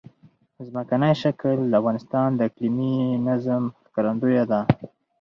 ځمکنی شکل د افغانستان د اقلیمي نظام ښکارندوی ده.